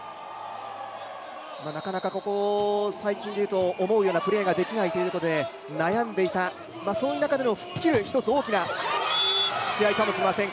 なかなかここ最近でいうと、思うようなプレーができないという中で悩んでいた、そういう中での吹っ切る一つ大きな試合かもしれません。